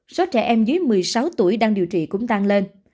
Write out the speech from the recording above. số trẻ em dưới một mươi sáu tuổi đang điều trị cũng tăng lên